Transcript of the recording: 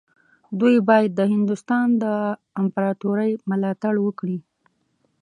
دوی باید د هندوستان د امپراطورۍ ملاتړ وکړي.